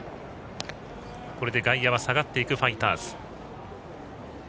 これで外野は下がっていくファイターズ。